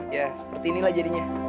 ya seperti inilah jadinya